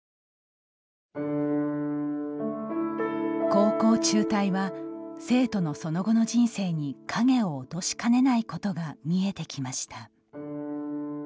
高校中退は生徒のその後の人生に影を落としかねないことが見えてきました。